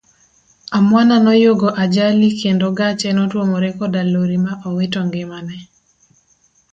Amwana noyugo ajali kendo gache notuomore koda lori ma owito ngimane.